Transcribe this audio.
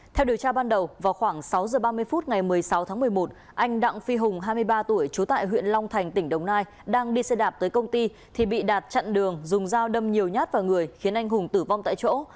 theo điều tra ban đầu vào khoảng sáu giờ ba mươi phút ngày một mươi sáu tháng một mươi một anh đặng phi hùng hai mươi ba tuổi trú tại huyện long thành tỉnh đồng nai đang đi xe đạp tới công ty thì bị đạt chặn đường dùng dao đâm nhiều nhát vào người khiến anh hùng tử vong tại chỗ